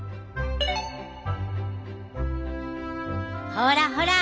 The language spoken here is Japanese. ほらほら